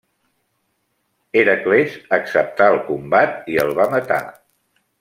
Hèracles acceptà el combat i el va matar.